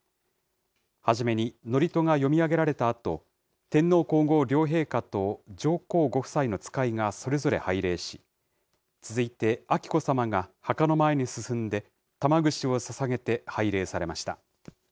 初めに、のりとが読み上げられたあと、天皇皇后両陛下と上皇ご夫妻の使いがそれぞれ拝礼し、続いて彬子さまが墓の前に進んで、玉串をささげて拝礼されました。